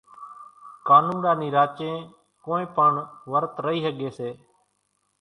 ڪانوڙا نِي راچين ڪونئين پڻ ورت رئي ۿڳي سي